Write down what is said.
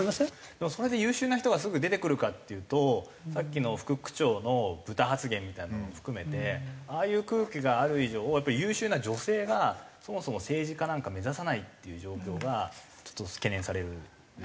でもそれで優秀な人がすぐ出てくるかっていうとさっきの副区長のブタ発言みたいなのも含めてああいう空気がある以上やっぱり優秀な女性がそもそも政治家なんか目指さないっていう状況がちょっと懸念される。